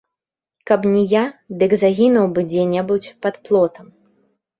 Каб не я, дык загінуў бы дзе-небудзь пад плотам.